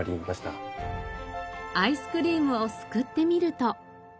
アイスクリームをすくってみると。